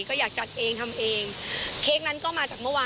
ก็อยากจัดเองทำเองเค้กนั้นก็มาจากเมื่อวาน